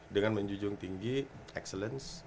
dengan menjunjung tinggi excellence